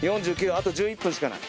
あと１１分しかない。